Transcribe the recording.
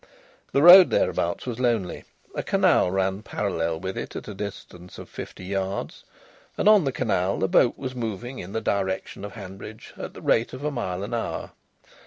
The road thereabouts was lonely. A canal ran parallel with it at a distance of fifty yards, and on the canal a boat was moving in the direction of Hanbridge at the rate of a mile an hour.